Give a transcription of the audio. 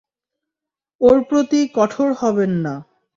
ওর প্রতি কঠোর হবেন না।